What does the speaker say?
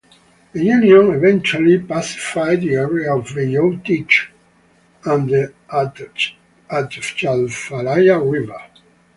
The Union eventually pacified the area of Bayou Teche and the Atchafalaya River.